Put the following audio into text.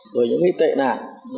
rồi những cái tệ nạn